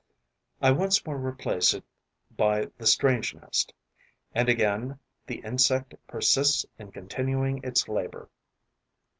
I once more replace it by the strange nest; and again the insect persists in continuing its labour.